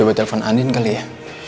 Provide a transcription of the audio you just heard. gue coba telepon andin kali ya